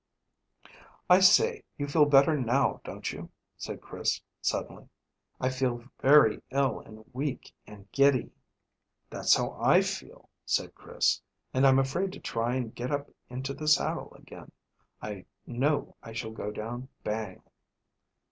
"I say, you feel better now, don't you?" said Chris suddenly. "I feel very ill and weak and giddy." "That's how I feel," said Chris, "and I'm afraid to try and get up into the saddle again. I know I shall go down bang."